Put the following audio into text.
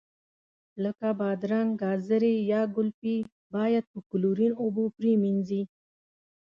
لکه بادرنګ، ګازرې یا ګلپي باید په کلورین اوبو پرېمنځي.